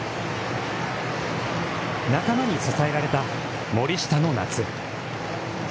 仲間に支えられた森下の夏。